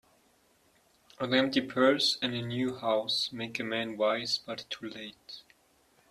An empty purse, and a new house, make a man wise, but too late.